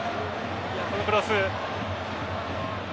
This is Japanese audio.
このクロス。